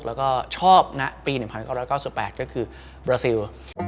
แล้วก็ชอบนะปี๑๙๙๘ก็คือบราซิล